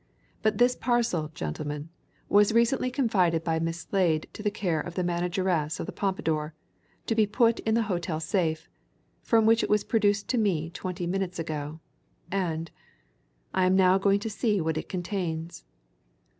"But this parcel, gentlemen, was recently confided by Miss Slade to the care of the manageress of the Pompadour, to be put in the hotel safe from which it was produced to me twenty minutes ago. And I am now going to see what it contains."